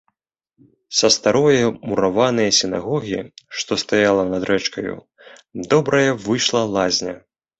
Са старое мураванае сінагогі, што стаяла над рэчкаю, добрая выйшла лазня.